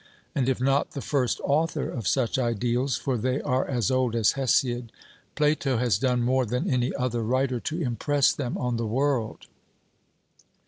And if not the first author of such ideals (for they are as old as Hesiod), Plato has done more than any other writer to impress them on the world.